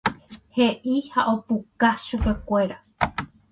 he'i ha opukavy chupekuéra.